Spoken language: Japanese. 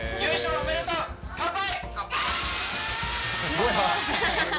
おめでとう、乾杯！